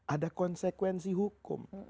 ada konsekuensi hukum